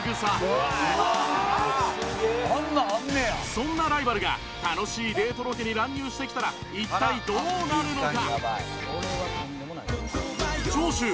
そんなライバルが楽しいデートロケに乱入してきたら一体どうなるのか？